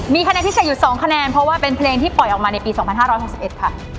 มีคะแนนพิเศษอยู่๒คะแนนเพราะว่าเป็นเพลงที่ปล่อยออกมาในปี๒๕๖๑ค่ะ